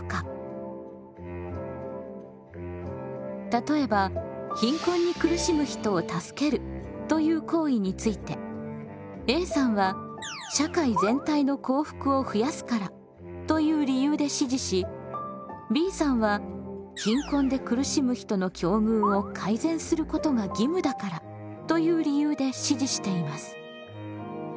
例えば貧困に苦しむ人を助けるという行為についてＡさんは社会全体の幸福を増やすからという理由で支持しＢさんは貧困で苦しむ人の境遇を改善することが義務だからという理由で支持しています。